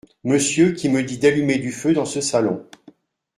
Monsieur qui me dit d’allumer du feu dans ce salon.